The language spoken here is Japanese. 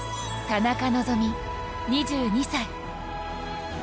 田中希実、２２歳。